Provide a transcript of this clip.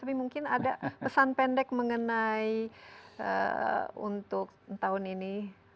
tapi mungkin ada pesan pendek mengenai untuk tahun ini